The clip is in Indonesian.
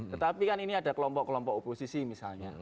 tetapi kan ini ada kelompok kelompok oposisi misalnya